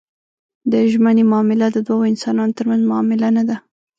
د ژمنې معامله د دوو انسانانو ترمنځ معامله نه ده.